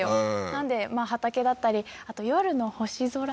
なんで畑だったりあと夜の星空